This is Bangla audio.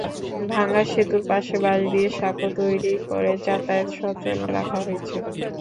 ভাঙা সেতুর পাশে বাঁশ দিয়ে সাঁকো তৈরি করে যাতায়াত সচল রাখা হয়েছে।